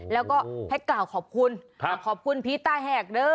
แล้วก็แพทย์กล่าวขอบคุณขอบคุณพี่ตาแหกเด้อ